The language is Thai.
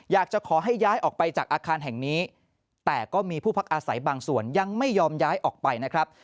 อยากจะขอให้ย้ายออกไปจากอาคารแห่งนี้แต่ก็มีผู้พักอาศัยบางส่วนยังไม่ยอมย้ายออกไปนะครับ